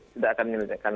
tidak akan menyebabkan